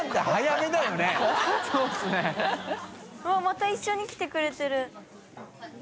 また一緒に来てくれてる。